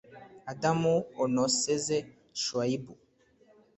Adamu Onoze Shuaibu